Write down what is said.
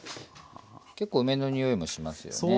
結構梅のにおいもしますよね。